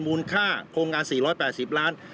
มูลค่าโครงงาน๔๘๐ล้าน